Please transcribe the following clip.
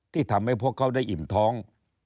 ที่ทำให้พวกเขาได้อิ่มท้อง